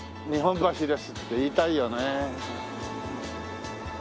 「日本橋です」って言いたいよね。